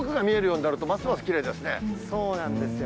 そうなんですよ。